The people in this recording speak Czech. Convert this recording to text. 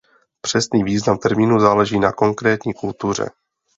Přesný význam termínu záleží na konkrétní kultuře.